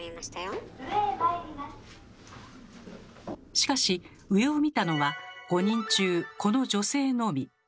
しかし上を見たのは５人中この女性のみ。